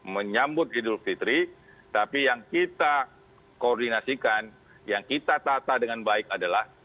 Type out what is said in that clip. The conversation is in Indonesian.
menyambut idul fitri tapi yang kita koordinasikan yang kita tata dengan baik adalah